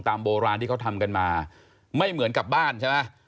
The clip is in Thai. โบราณที่เขาทำกันมาไม่เหมือนกับบ้านใช่ไหม